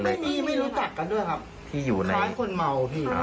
และนี่ไม่รู้จักกันด้วยครับคล้ายคนเมาพี่